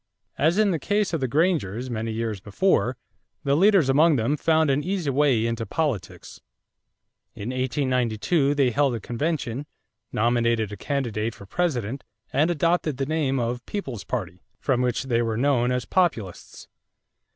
As in the case of the Grangers many years before, the leaders among them found an easy way into politics. In 1892 they held a convention, nominated a candidate for President, and adopted the name of "People's Party," from which they were known as Populists.